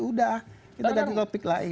udah kita ganti topik lagi